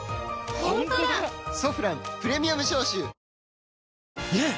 「ソフランプレミアム消臭」ねえ‼